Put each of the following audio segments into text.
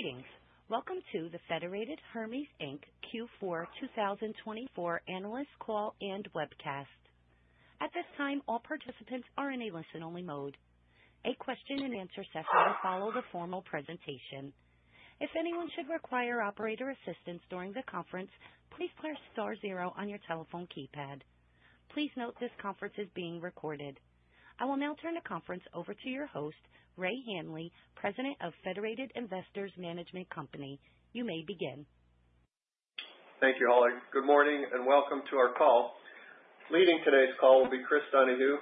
Greetings. Welcome to the Federated Hermes, Inc. Q4 2024 Analyst Call and Webcast. At this time, all participants are in a listen-only mode. A question-and-answer session will follow the formal presentation. If anyone should require operator assistance during the conference, please press star zero on your telephone keypad. Please note this conference is being recorded. I will now turn the conference over to your host, Ray Hanley, President of Federated Investors Management Company. You may begin. Thank you, Holly. Good morning and welcome to our call. Leading today's call will be Chris Donahue,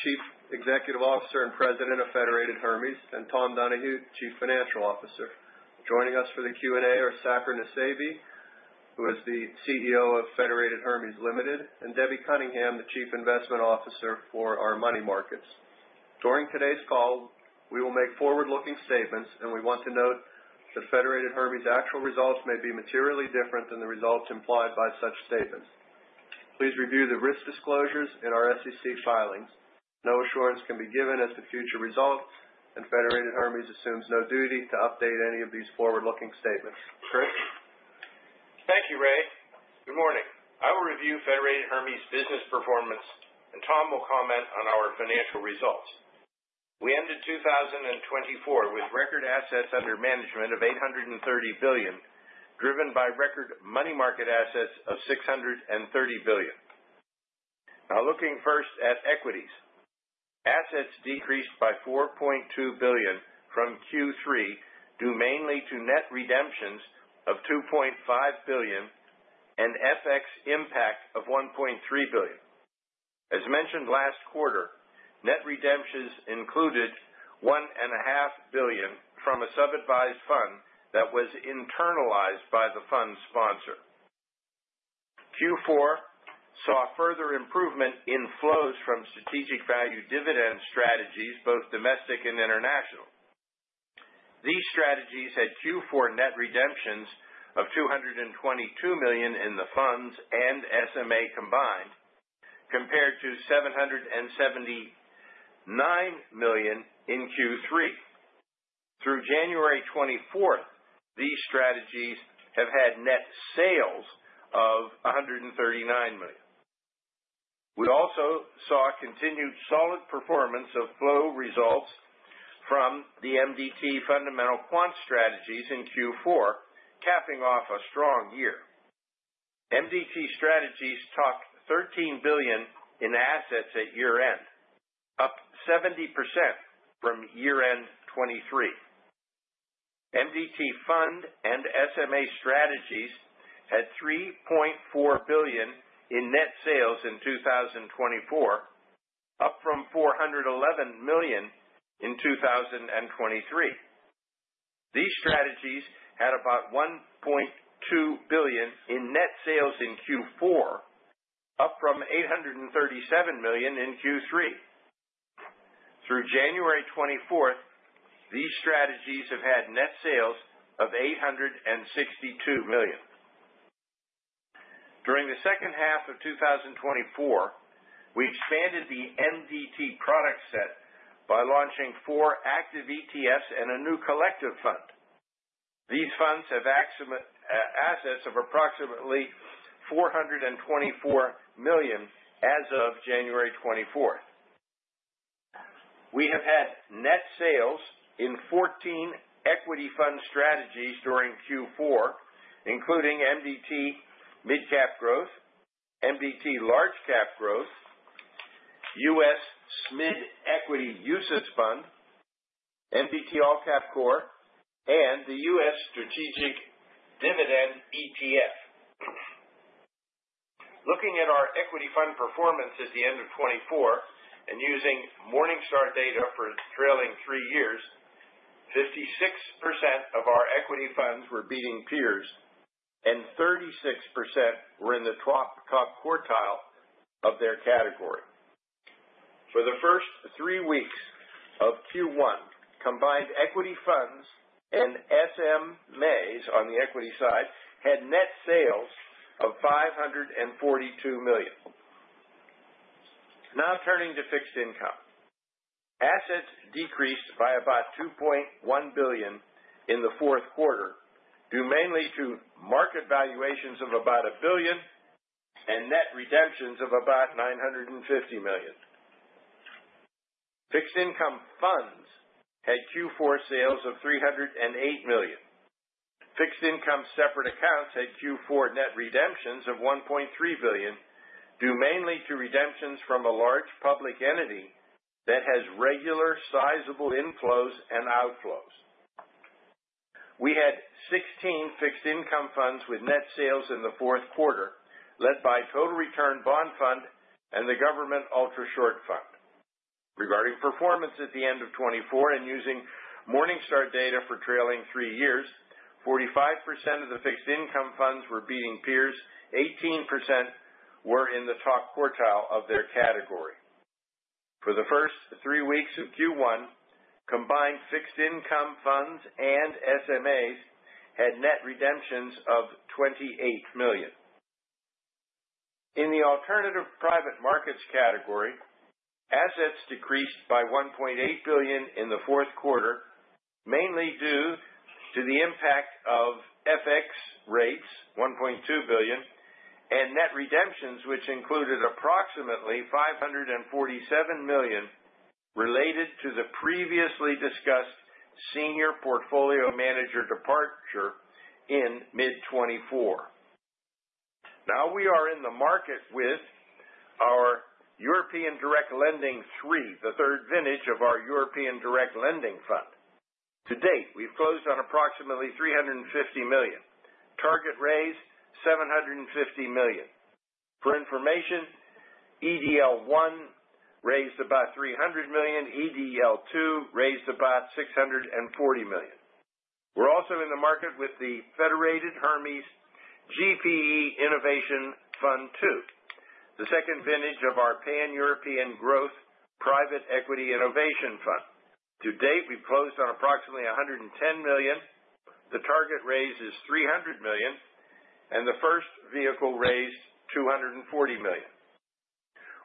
Chief Executive Officer and President of Federated Hermes, and Tom Donahue, Chief Financial Officer. Joining us for the Q&A are Saker Nusseibeh, who is the CEO of Federated Hermes Limited, and Debbie Cunningham, the Chief Investment Officer for our Money Markets. During today's call, we will make forward-looking statements, and we want to note that Federated Hermes' actual results may be materially different than the results implied by such statements. Please review the risk disclosures in our SEC filings. No assurance can be given as to future results, and Federated Hermes assumes no duty to update any of these forward-looking statements. Chris? Thank you, Ray. Good morning. I will review Federated Hermes' business performance, and Tom will comment on our financial results. We ended 2024 with record assets under management of $830 billion, driven by record money market assets of $630 billion. Now, looking first at equities, assets decreased by $4.2 billion from Q3 due mainly to net redemptions of $2.5 billion and FX impact of $1.3 billion. As mentioned last quarter, net redemptions included $1.5 billion from a sub-advised fund that was internalized by the fund sponsor. Q4 saw further improvement in flows from Strategic Value Dividend strategies, both domestic and international. These strategies had Q4 net redemptions of $222 million in the funds and SMA combined, compared to $779 million in Q3. Through January 24th, these strategies have had net sales of $139 million. We also saw continued solid performance of flow results from the MDT fundamental quant strategies in Q4, capping off a strong year. MDT strategies had $13 billion in assets at year-end, up 70% from year-end 2023. MDT fund and SMA strategies had $3.4 billion in net sales in 2024, up from $411 million in 2023. These strategies had about $1.2 billion in net sales in Q4, up from $837 million in Q3. Through January 24th, these strategies have had net sales of $862 million. During the second half of 2024, we expanded the MDT product set by launching four active ETFs and a new collective fund. These funds have assets of approximately $424 million as of January 24th. We have had net sales in 14 equity fund strategies during Q4, including MDT Mid-Cap Growth, MDT Large-Cap Growth, U.S. SMID Equity Fund, MDT All-Cap Core, and the U.S. Strategic Dividend ETF. Looking at our equity fund performance at the end of 2024 and using Morningstar data for trailing three years, 56% of our equity funds were beating peers, and 36% were in the top quartile of their category. For the first three weeks of Q1, combined equity funds and SMAs on the equity side had net sales of $542 million. Now turning to fixed income. Assets decreased by about $2.1 billion in the fourth quarter due mainly to market valuations of about $1 billion and net redemptions of about $950 million. Fixed income funds had Q4 sales of $308 million. Fixed income separate accounts had Q4 net redemptions of $1.3 billion due mainly to redemptions from a large public entity that has regular sizable inflows and outflows. We had 16 fixed income funds with net sales in the fourth quarter, led by Total Return Bond Fund and the Government Ultrashort Fund. Regarding performance at the end of 2024 and using Morningstar data for trailing three years, 45% of the fixed income funds were beating peers, 18% were in the top quartile of their category. For the first three weeks of Q1, combined fixed income funds and SMAs had net redemptions of $28 million. In the alternative private markets category, assets decreased by $1.8 billion in the fourth quarter, mainly due to the impact of FX rates $1.2 billion and net redemptions, which included approximately $547 million related to the previously discussed senior portfolio manager departure in mid-2024. Now we are in the market with our European Direct Lending III, the third vintage of our European direct lending fund. To date, we've closed on approximately $350 million. Target raised $750 million. For information, EDL one raised about $300 million, EDL two raised about $640 million. We're also in the market with the Federated Hermes GPE Innovation Fund Two, the second vintage of our Pan-European growth private equity innovation fund. To date, we've closed on approximately $110 million. The target raised is $300 million, and the first vehicle raised $240 million.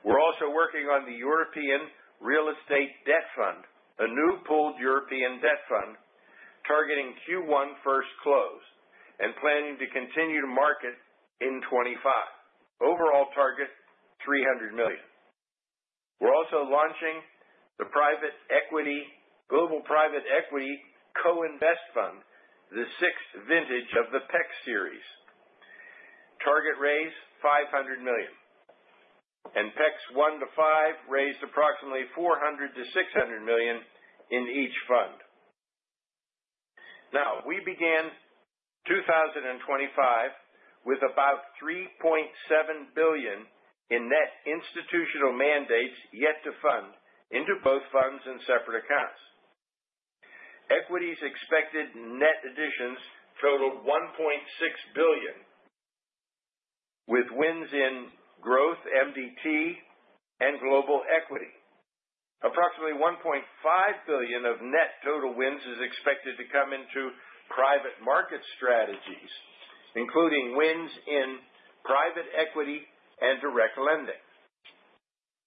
We're also working on the European Real Estate Debt Fund, a new pooled European debt fund targeting Q1 first close and planning to continue to market in 2025. Overall target $300 million. We're also launching the Global Private Equity Co-Invest Fund, the sixth vintage of the PEC series. Target raised $500 million, and PECs one to five raised approximately $400 million -$600 million in each fund. Now, we began 2025 with about $3.7 billion in net institutional mandates yet to fund into both funds and separate accounts. Equities expected net additions totaled $1.6 billion, with wins in growth, MDT, and global equity. Approximately $1.5 billion of net total wins is expected to come into private market strategies, including wins in private equity and direct lending.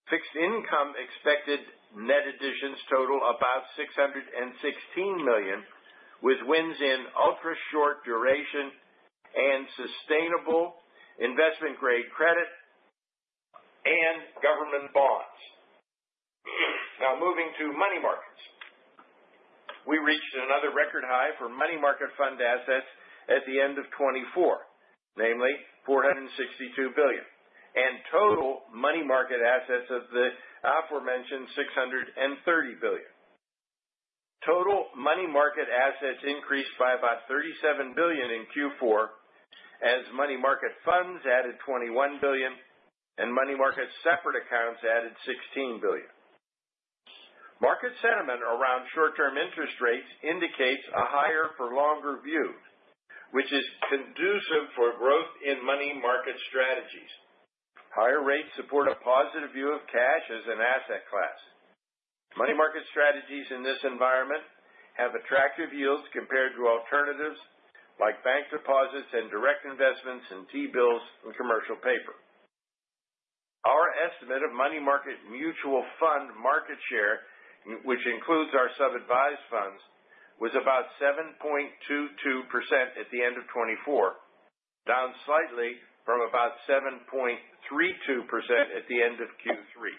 Fixed income expected net additions total about $616 million, with wins in ultra-short duration and sustainable investment-grade credit and government bonds. Now, moving to money markets. We reached another record high for money market fund assets at the end of 2024, namely $462 billion, and total money market assets of the aforementioned $630 billion. Total money market assets increased by about $37 billion in Q4, as money market funds added $21 billion and money market separate accounts added $16 billion. Market sentiment around short-term interest rates indicates a higher-for-longer view, which is conducive for growth in money market strategies. Higher rates support a positive view of cash as an asset class. Money market strategies in this environment have attractive yields compared to alternatives like bank deposits and direct investments and T-bills, and commercial paper. Our estimate of money market mutual fund market share, which includes our sub-advised funds, was about 7.22% at the end of 2024, down slightly from about 7.32% at the end of Q3.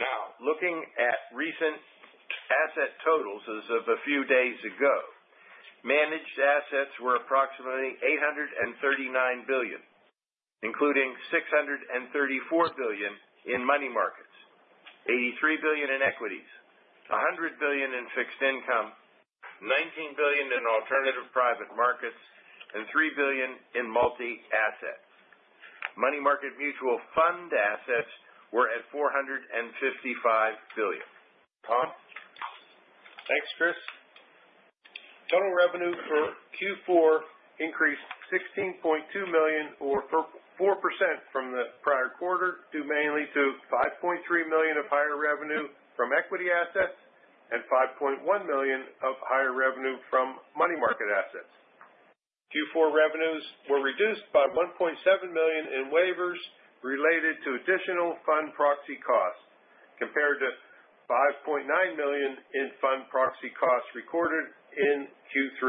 Now, looking at recent asset totals as of a few days ago, managed assets were approximately $839 billion, including $634 billion in money markets, $83 billion in equities, $100 billion in fixed income, $19 billion in alternative private markets, and $3 billion in multi-assets. Money market mutual fund assets were at $455 billion. Tom? Thanks, Chris. Total revenue for Q4 increased $16.2 million, or 4% from the prior quarter, due mainly to $5.3 million of higher revenue from equity assets and $5.1 million of higher revenue from money market assets. Q4 revenues were reduced by $1.7 million in waivers related to additional fund proxy costs, compared to $5.9 million in fund proxy costs recorded in Q3.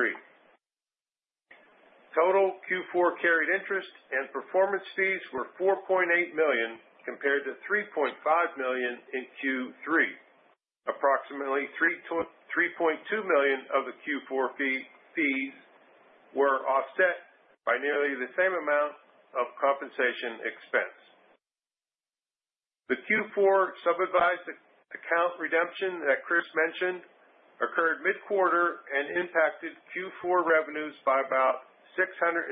Total Q4 carried interest and performance fees were $4.8 million compared to $3.5 million in Q3. Approximately $3.2 million of the Q4 fees were offset by nearly the same amount of compensation expense. The Q4 sub-advised account redemption that Chris mentioned occurred mid-quarter and impacted Q4 revenues by about $627,000.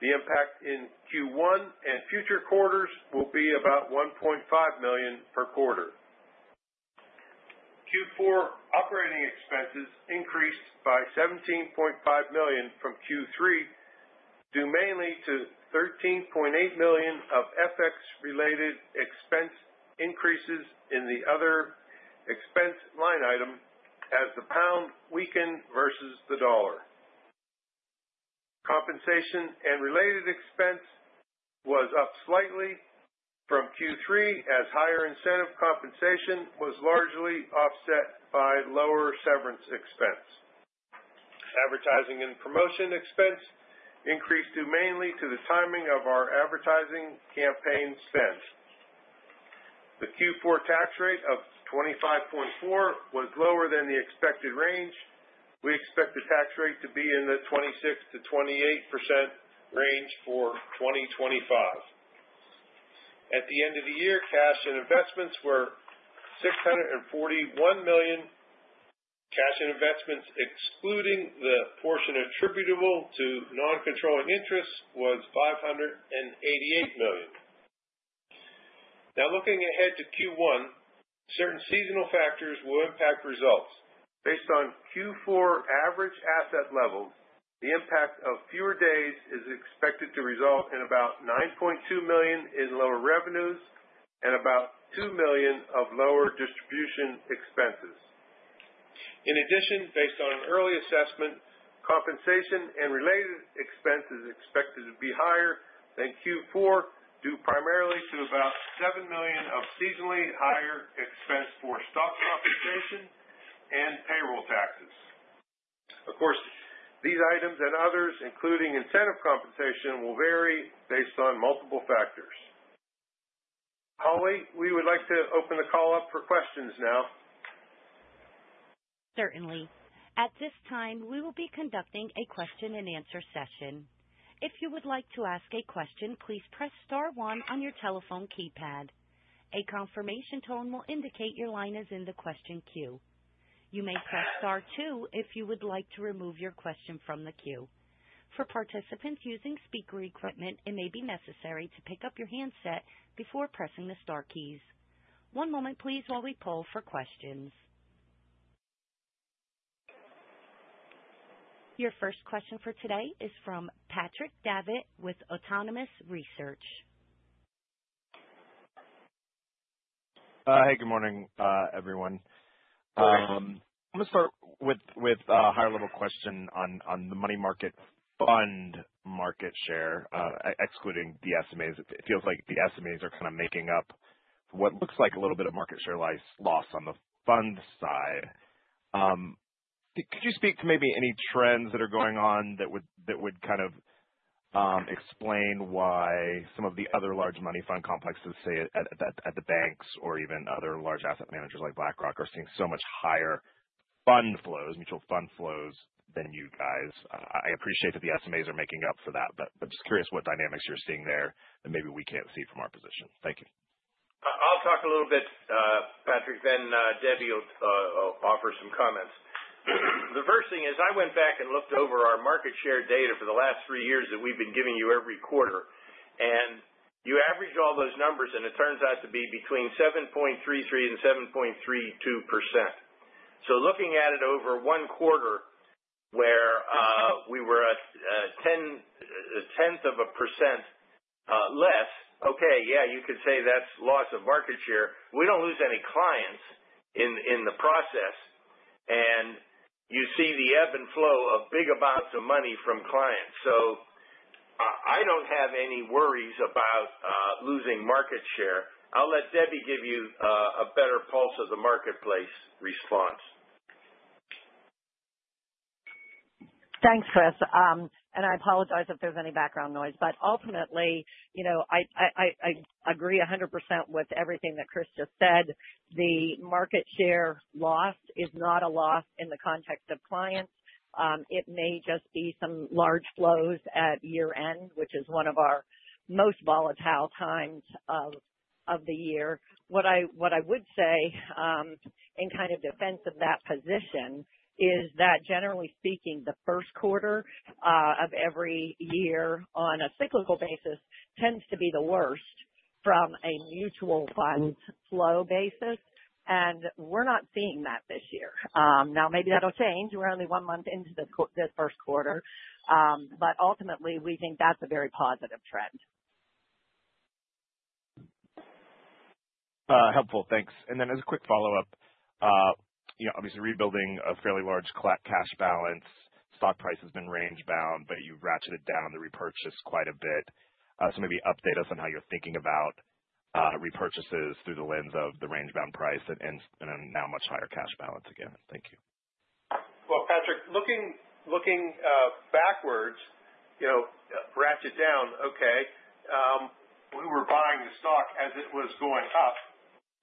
The impact in Q1 and future quarters will be about $1.5 million per quarter. Q4 operating expenses increased by $17.5 million from Q3 due mainly to $13.8 million of FX-related expense increases in the other expense line item as the pound weakened versus the dollar. Compensation and related expense was up slightly from Q3, as higher incentive compensation was largely offset by lower severance expense. Advertising and promotion expense increased due mainly to the timing of our advertising campaign spend. The Q4 tax rate of 25.4% was lower than the expected range. We expect the tax rate to be in the 26%-28% range for 2025. At the end of the year, cash and investments were $641 million. Cash and investments, excluding the portion attributable to non-controlling interest, was $588 million. Now, looking ahead to Q1, certain seasonal factors will impact results. Based on Q4 average asset levels, the impact of fewer days is expected to result in about $9.2 million in lower revenues and about $2 million of lower distribution expenses. In addition, based on an early assessment, compensation and related expenses expected to be higher than Q4 due primarily to about $7 million of seasonally higher expense for stock compensation and payroll taxes. Of course, these items and others, including incentive compensation, will vary based on multiple factors. Holly, we would like to open the call up for questions now. Certainly. At this time, we will be conducting a question-and-answer session. If you would like to ask a question, please press Star 1 on your telephone keypad. A confirmation tone will indicate your line is in the question queue. You may press Star 2 if you would like to remove your question from the queue. For participants using speaker equipment, it may be necessary to pick up your handset before pressing the Star keys. One moment, please, while we poll for questions. Your first question for today is from Patrick Davitt with Autonomous Research. Hey, good morning, everyone. I'm going to start with a higher-level question on the money market fund market share, excluding the SMAs. It feels like the SMAs are kind of making up what looks like a little bit of market share loss on the fund side. Could you speak to maybe any trends that are going on that would kind of explain why some of the other large money fund complexes, say, at the banks or even other large asset managers like BlackRock, are seeing so much higher fund flows, mutual fund flows than you guys? I appreciate that the SMAs are making up for that, but I'm just curious what dynamics you're seeing there that maybe we can't see from our position. Thank you. I'll talk a little bit, Patrick. Then Debbie will offer some comments. The first thing is I went back and looked over our market share data for the last three years that we've been giving you every quarter, and you averaged all those numbers, and it turns out to be between 7.33% and 7.32%. So looking at it over one quarter where we were a tenth of a percent less, okay, yeah, you could say that's loss of market share. We don't lose any clients in the process, and you see the ebb and flow of big amounts of money from clients. So I don't have any worries about losing market share. I'll let Debbie give you a better pulse of the marketplace response. Thanks, Chris. And I apologize if there's any background noise, but ultimately, I agree 100% with everything that Chris just said. The market share loss is not a loss in the context of clients. It may just be some large flows at year-end, which is one of our most volatile times of the year. What I would say in kind of defense of that position is that, generally speaking, the first quarter of every year on a cyclical basis tends to be the worst from a mutual fund flow basis, and we're not seeing that this year. Now, maybe that'll change. We're only one month into this first quarter, but ultimately, we think that's a very positive trend. Helpful. Thanks. And then, as a quick follow-up, obviously rebuilding a fairly large cash balance, stock price has been range-bound, but you've ratcheted down the repurchase quite a bit. So maybe update us on how you're thinking about repurchases through the lens of the range-bound price and now much higher cash balance again. Thank you. Patrick, looking backwards, ratchet down, okay, we were buying the stock as it was going up,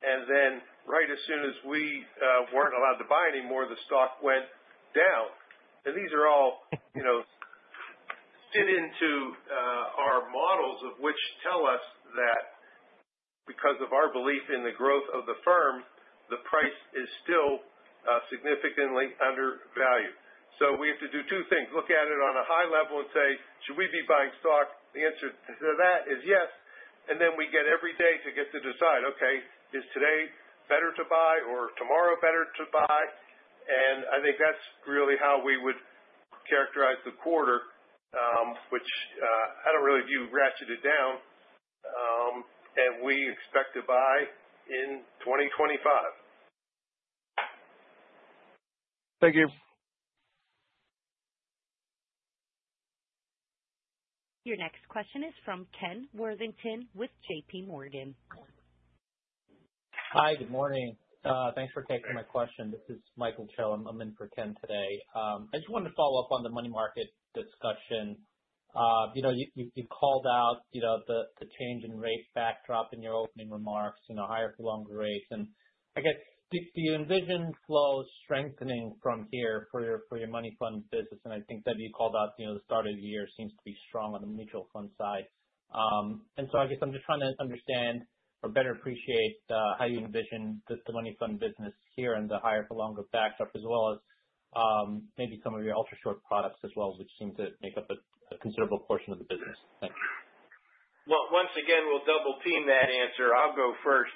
and then right as soon as we weren't allowed to buy anymore, the stock went down. And these are all fit into our models of which tell us that because of our belief in the growth of the firm, the price is still significantly undervalued. So we have to do two things: look at it on a high level and say, "Should we be buying stock?" The answer to that is yes. And then we get every day to get to decide, "Okay, is today better to buy or tomorrow better to buy?" And I think that's really how we would characterize the quarter, which I don't really view ratcheted down, and we expect to buy in 2025. Thank you. Your next question is from Ken Worthington with J.P. Morgan. Hi, good morning. Thanks for taking my question. This is Michael Cho. I'm in for Ken today. I just wanted to follow up on the money market discussion. You called out the change in rate backdrop in your opening remarks, higher for longer rates. And I guess, do you envision flows strengthening from here for your money fund business? And I think, Debbie, you called out the start of the year seems to be strong on the mutual fund side. And so I guess I'm just trying to understand or better appreciate how you envision the money fund business here and the higher for longer backdrop, as well as maybe some of your ultra-short products as well, which seem to make up a considerable portion of the business. Thank you. Once again, we'll double-pin that answer. I'll go first.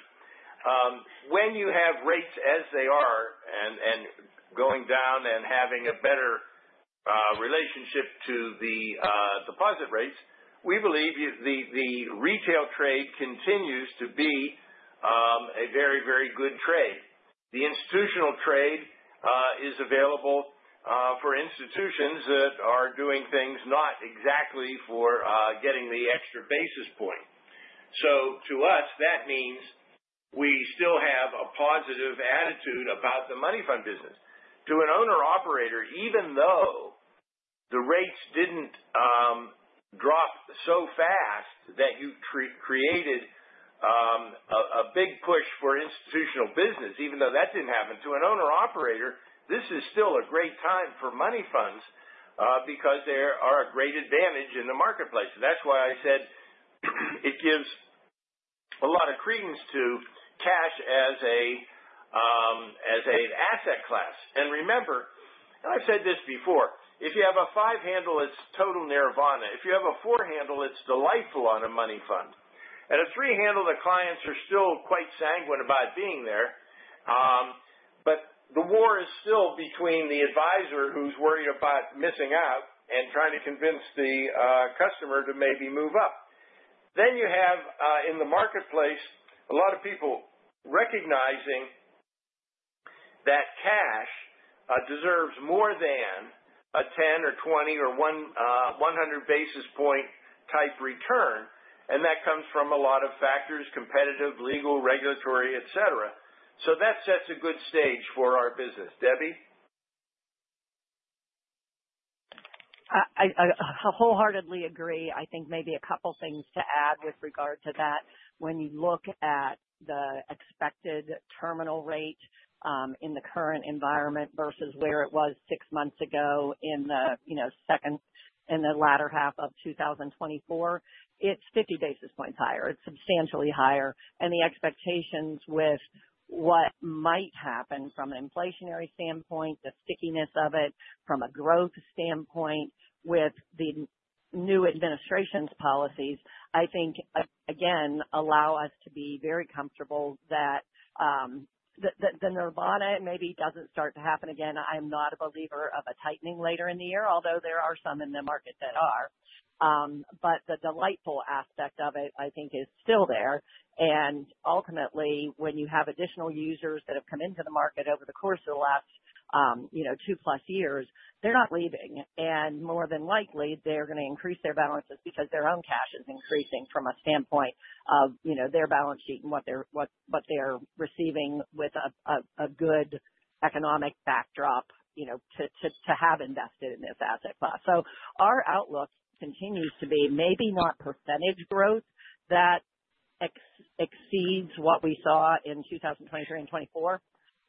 When you have rates as they are and going down and having a better relationship to the deposit rates, we believe the retail trade continues to be a very, very good trade. The institutional trade is available for institutions that are doing things not exactly for getting the extra basis point. So to us, that means we still have a positive attitude about the money fund business. To an owner-operator, even though the rates didn't drop so fast that you created a big push for institutional business, even though that didn't happen, to an owner-operator, this is still a great time for money funds because they are a great advantage in the marketplace. And that's why I said it gives a lot of credence to cash as an asset class. Remember, and I've said this before, if you have a five-handle, it's total nirvana. If you have a four-handle, it's delightful on a money fund. At a three-handle, the clients are still quite sanguine about being there, but the war is still between the advisor who's worried about missing out and trying to convince the customer to maybe move up. You have in the marketplace a lot of people recognizing that cash deserves more than a 10 or 20 or 100 basis point type return, and that comes from a lot of factors: competitive, legal, regulatory, etc. That sets a good stage for our business. Debbie? I wholeheartedly agree. I think maybe a couple of things to add with regard to that. When you look at the expected terminal rate in the current environment versus where it was six months ago in the second in the latter half of 2024, it's 50 basis points higher. It's substantially higher. And the expectations with what might happen from an inflationary standpoint, the stickiness of it from a growth standpoint with the new administration's policies, I think, again, allow us to be very comfortable that the nirvana maybe doesn't start to happen again. I am not a believer of a tightening later in the year, although there are some in the market that are. But the delightful aspect of it, I think, is still there. And ultimately, when you have additional users that have come into the market over the course of the last two-plus years, they're not leaving. More than likely, they're going to increase their balances because their own cash is increasing from a standpoint of their balance sheet and what they're receiving with a good economic backdrop to have invested in this asset class. Our outlook continues to be maybe not percentage growth that exceeds what we saw in 2023 and 2024,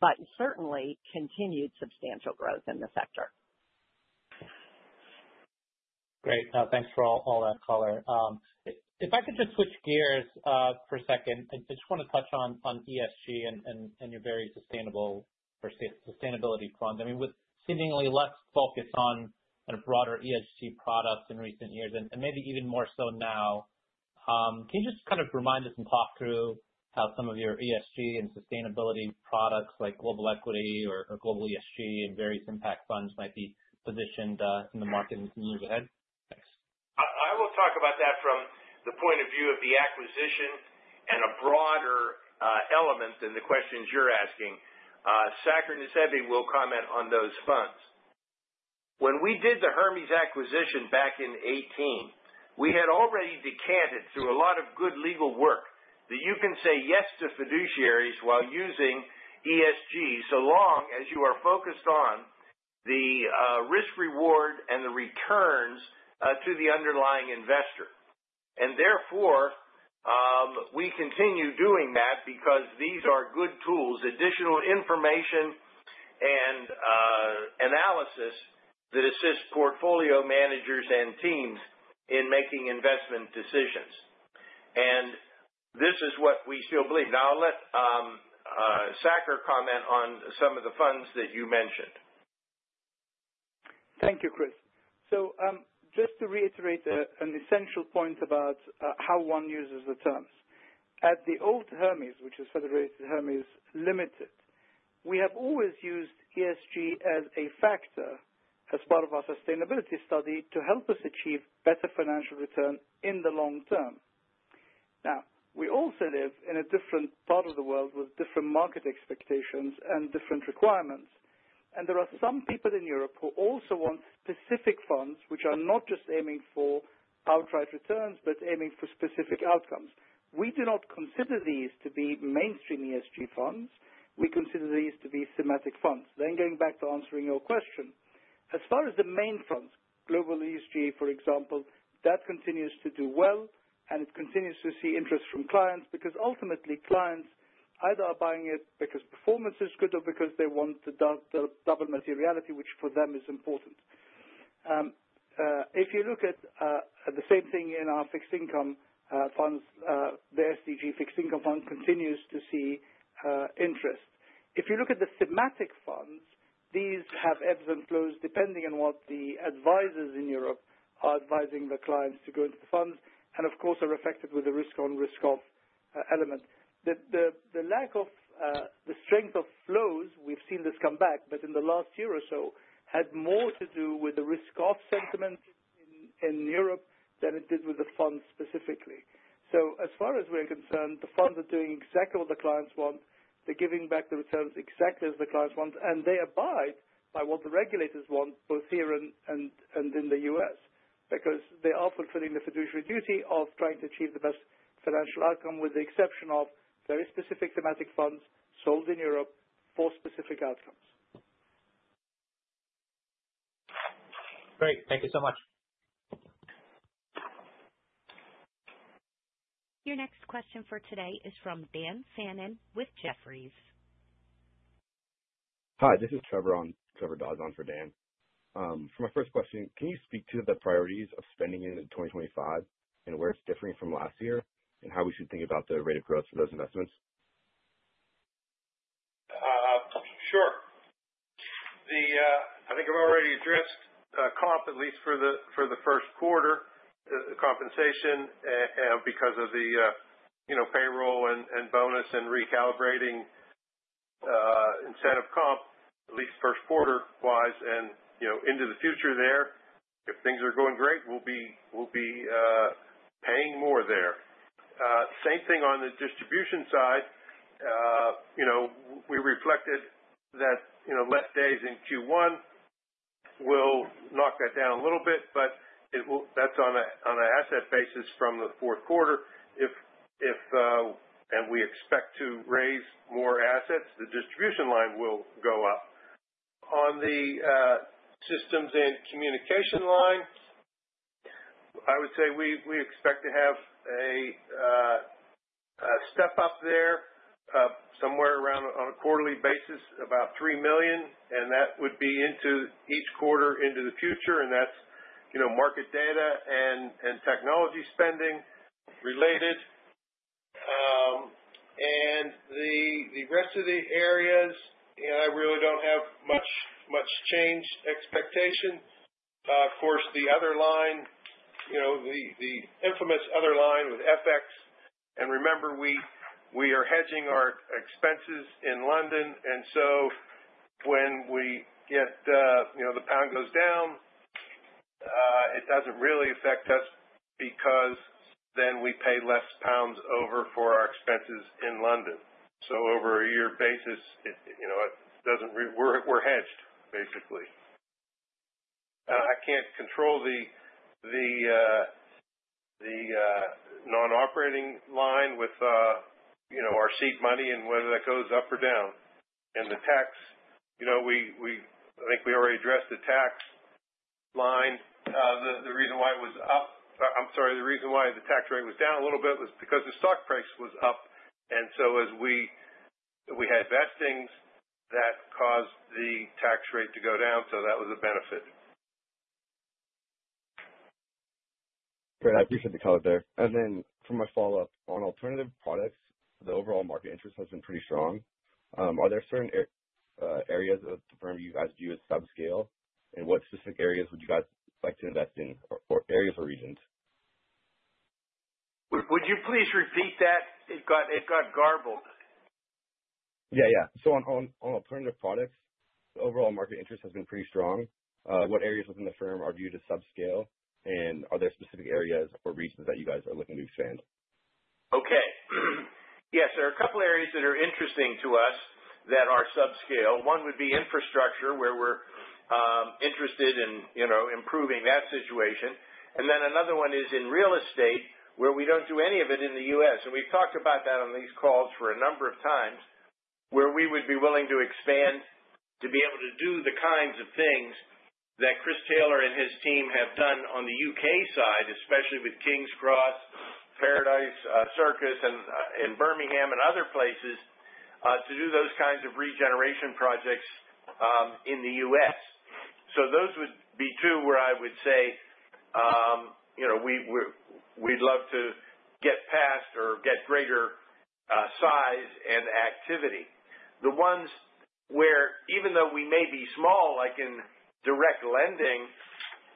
but certainly continued substantial growth in the sector. Great. Thanks for all that, Color. If I could just switch gears for a second, I just want to touch on ESG and your very sustainable sustainability fund. I mean, with seemingly less focus on kind of broader ESG products in recent years and maybe even more so now, can you just kind of remind us and talk through how some of your ESG and sustainability products like global equity or global ESG and various impact funds might be positioned in the market in the years ahead? Thanks. I will talk about that from the point of view of the acquisition and a broader element than the questions you're asking. Saker and Debbie will comment on those funds. When we did the Hermes acquisition back in 2018, we had already decanted through a lot of good legal work that you can say yes to fiduciaries while using ESG so long as you are focused on the risk-reward and the returns to the underlying investor. And therefore, we continue doing that because these are good tools, additional information and analysis that assist portfolio managers and teams in making investment decisions. And this is what we still believe. Now, I'll let Saker comment on some of the funds that you mentioned. Thank you, Chris. So just to reiterate an essential point about how one uses the terms. At the old Hermes, which is Federated Hermes Limited, we have always used ESG as a factor as part of our sustainability study to help us achieve better financial return in the long term. Now, we also live in a different part of the world with different market expectations and different requirements. And there are some people in Europe who also want specific funds which are not just aiming for outright returns but aiming for specific outcomes. We do not consider these to be mainstream ESG funds. We consider these to be thematic funds. Then going back to answering your question, as far as the main funds, Global ESG, for example, that continues to do well, and it continues to see interest from clients because ultimately, clients either are buying it because performance is good or because they want the double materiality which for them is important. If you look at the same thing in our fixed income funds, the SDG Fixed Income Fund continues to see interest. If you look at the Thematic Funds, these have ebbs and flows depending on what the advisors in Europe are advising the clients to go into the funds and, of course, are affected with the risk-on-risk-off element. The lack of the strength of flows, we've seen this come back, but in the last year or so, had more to do with the risk-off sentiment in Europe than it did with the funds specifically. So as far as we're concerned, the funds are doing exactly what the clients want. They're giving back the returns exactly as the clients want, and they abide by what the regulators want both here and in the U.S. because they are fulfilling the fiduciary duty of trying to achieve the best financial outcome with the exception of very specific thematic funds sold in Europe for specific outcomes. Great. Thank you so much. Your next question for today is from Dan Fannon with Jefferies. Hi, this is Trevor Donahue for Dan. For my first question, can you speak to the priorities of spending in 2025 and where it's differing from last year and how we should think about the rate of growth for those investments? Sure. I think I've already addressed comp, at least for the first quarter, compensation because of the payroll and bonus and recalibrating incentive comp, at least first quarter-wise, and into the future there. If things are going great, we'll be paying more there. Same thing on the distribution side. We reflected that fewer days in Q1 will knock that down a little bit, but that's on an asset basis from the fourth quarter, and we expect to raise more assets. The distribution line will go up. On the systems and communication line, I would say we expect to have a step up there somewhere around on a quarterly basis, about $3 million, and that would be into each quarter into the future, and that's market data and technology spending related, and the rest of the areas, I really don't have much change expectation. Of course, the other line, the infamous other line with FX, and remember, we are hedging our expenses in London. And so when the pound goes down, it doesn't really affect us because then we pay less pounds overall for our expenses in London. So over a year basis, we're hedged, basically. I can't control the non-operating line with our seed money and whether that goes up or down. And the tax, I think we already addressed the tax line. The reason why it was up, I'm sorry, the reason why the tax rate was down a little bit was because the stock price was up. And so as we had vestings, that caused the tax rate to go down. So that was a benefit. Great. I appreciate the color there. And then for my follow-up, on alternative products, the overall market interest has been pretty strong. Are there certain areas of the firm you guys view as subscale? And what specific areas would you guys like to invest in or areas or regions? Would you please repeat that? It got garbled. Yeah, yeah. So on alternative products, the overall market interest has been pretty strong. What areas within the firm are viewed as subscale? And are there specific areas or regions that you guys are looking to expand? Okay. Yes, there are a couple of areas that are interesting to us that are subscale. One would be infrastructure, where we're interested in improving that situation. And then another one is in real estate, where we don't do any of it in the U.S. And we've talked about that on these calls for a number of times, where we would be willing to expand to be able to do the kinds of things that Chris Taylor and his team have done on the U.K. side, especially with King's Cross, Paradise Circus, and Birmingham, and other places to do those kinds of regeneration projects in the U.S. So those would be two where I would say we'd love to get past or get greater size and activity. The ones where, even though we may be small, like in direct lending,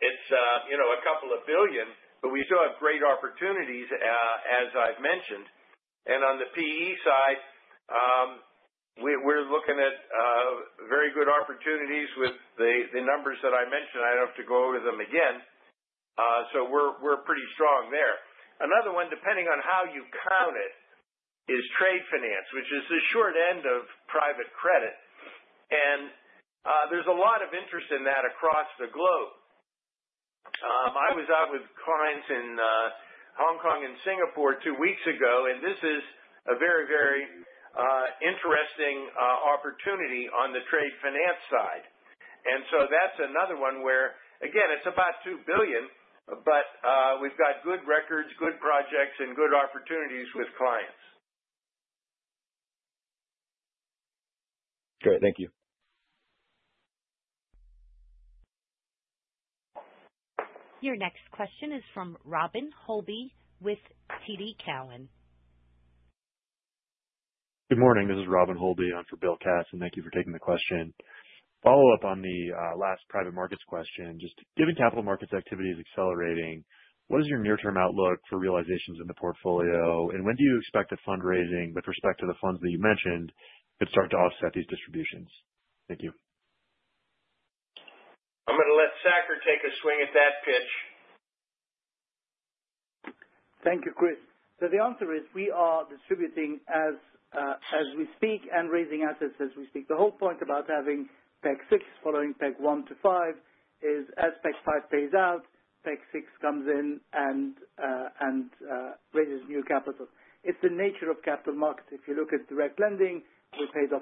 it's a couple of billion, but we still have great opportunities, as I've mentioned. And on the PE side, we're looking at very good opportunities with the numbers that I mentioned. I don't have to go over them again. So we're pretty strong there. Another one, depending on how you count it, is trade finance, which is the short end of private credit. And there's a lot of interest in that across the globe. I was out with clients in Hong Kong and Singapore two weeks ago, and this is a very, very interesting opportunity on the trade finance side. And so that's another one where, again, it's about 2 billion, but we've got good records, good projects, and good opportunities with clients. Great. Thank you. Your next question is from Robert Halaby with TD Cowen. Good morning. This is Robert Halaby for Bill Katz. And thank you for taking the question. Follow-up on the last private markets question. Just given capital markets activity is accelerating, what is your near-term outlook for realizations in the portfolio? And when do you expect the fundraising with respect to the funds that you mentioned could start to offset these distributions? Thank you. I'm going to let Saker take a swing at that pitch. Thank you, Chris. So the answer is we are distributing as we speak and raising assets as we speak. The whole point about having PEC 6 following PEC 1 to 5 is as PEC 5 pays out, PEC 6 comes in and raises new capital. It's the nature of capital markets. If you look at direct lending, we paid off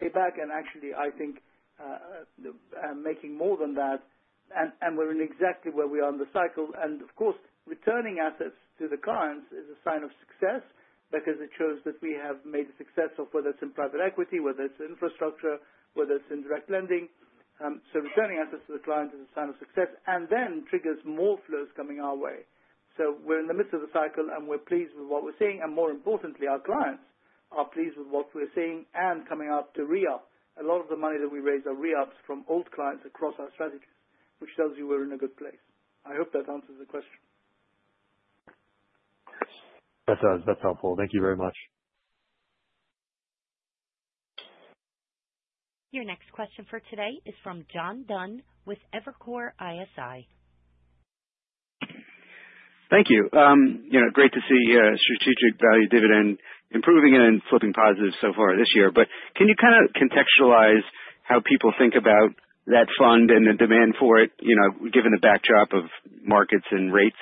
payback. And actually, I think making more than that. And we're in exactly where we are in the cycle. And of course, returning assets to the clients is a sign of success because it shows that we have made a success of whether it's in private equity, whether it's in infrastructure, whether it's in direct lending. So returning assets to the clients is a sign of success and then triggers more flows coming our way. So we're in the midst of the cycle, and we're pleased with what we're seeing. And more importantly, our clients are pleased with what we're seeing and coming up to re-up. A lot of the money that we raise are re-ups from old clients across our strategies, which tells you we're in a good place. I hope that answers the question. That's helpful. Thank you very much. Your next question for today is from John Dunn with Evercore ISI. Thank you. Great to see Strategic Value Dividend improving and flipping positive so far this year. But can you kind of contextualize how people think about that fund and the demand for it, given the backdrop of markets and rates?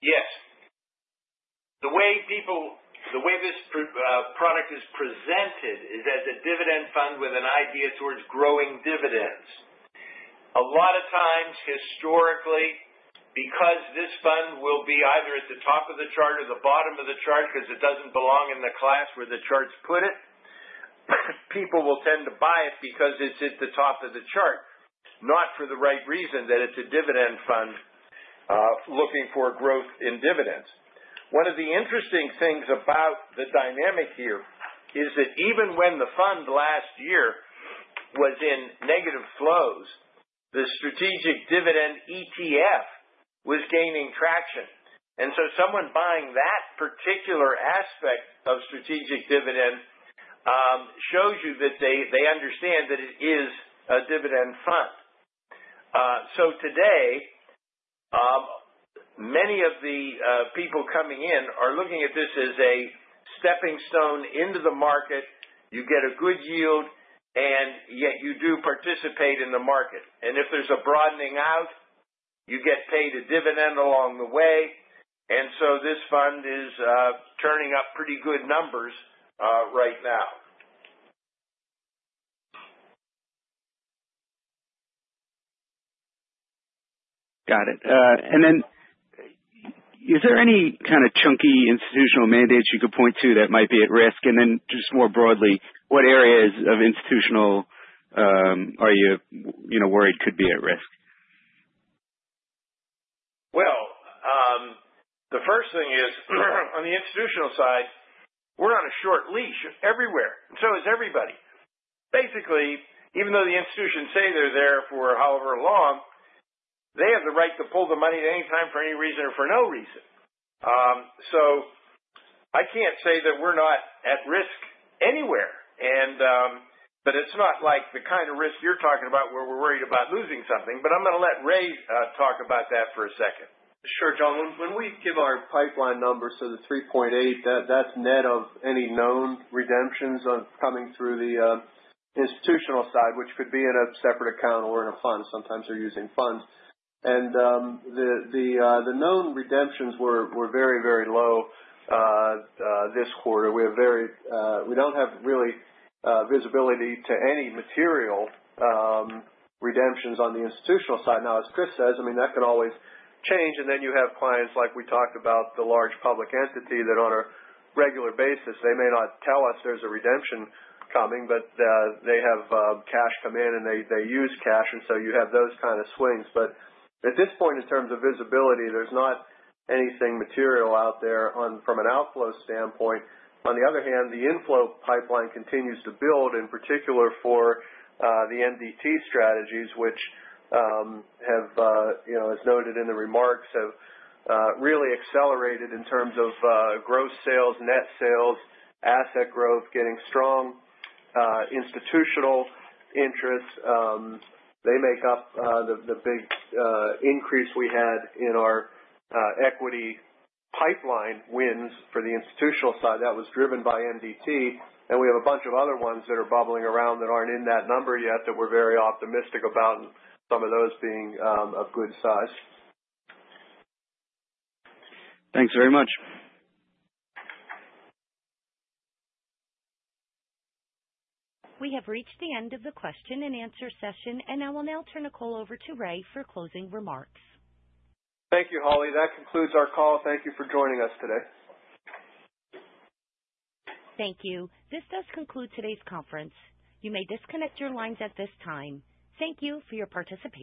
Yes. The way this product is presented is as a dividend fund with an idea towards growing dividends. A lot of times, historically, because this fund will be either at the top of the chart or the bottom of the chart because it doesn't belong in the class where the charts put it, people will tend to buy it because it's at the top of the chart, not for the right reason that it's a dividend fund looking for growth in dividends. One of the interesting things about the dynamic here is that even when the fund last year was in negative flows, the Strategic Dividend ETF was gaining traction. And so someone buying that particular aspect of strategic dividend shows you that they understand that it is a dividend fund. So today, many of the people coming in are looking at this as a stepping stone into the market. You get a good yield, and yet you do participate in the market. And if there's a broadening out, you get paid a dividend along the way. And so this fund is turning up pretty good numbers right now. Got it. And then is there any kind of chunky institutional mandates you could point to that might be at risk? And then just more broadly, what areas of institutional are you worried could be at risk? The first thing is on the institutional side, we're on a short leash everywhere. So is everybody. Basically, even though the institutions say they're there for however long, they have the right to pull the money at any time for any reason or for no reason. So I can't say that we're not at risk anywhere. But it's not like the kind of risk you're talking about where we're worried about losing something. But I'm going to let Ray talk about that for a second. Sure, John. When we give our pipeline numbers, so the 3.8, that's net of any known redemptions coming through the institutional side, which could be in a separate account or in a fund. Sometimes they're using funds, and the known redemptions were very, very low this quarter. We don't have really visibility to any material redemptions on the institutional side. Now, as Chris says, I mean, that can always change, and then you have clients like we talked about, the large public entity that on a regular basis, they may not tell us there's a redemption coming, but they have cash come in and they use cash, and so you have those kind of swings, but at this point, in terms of visibility, there's not anything material out there from an outflow standpoint. On the other hand, the inflow pipeline continues to build, in particular for the MDT strategies, which have, as noted in the remarks, really accelerated in terms of gross sales, net sales, asset growth, getting strong institutional interests. They make up the big increase we had in our equity pipeline wins for the institutional side. That was driven by MDT, and we have a bunch of other ones that are bubbling around that aren't in that number yet that we're very optimistic about, and some of those being of good size. Thanks very much. We have reached the end of the question and answer session, and I will now turn the call over to Ray for closing remarks. Thank you, Holly. That concludes our call. Thank you for joining us today. Thank you. This does conclude today's conference. You may disconnect your lines at this time. Thank you for your participation.